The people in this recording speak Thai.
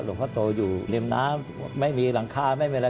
หลวงพ่อโตอยู่ริมน้ำไม่มีหลังคาไม่มีอะไร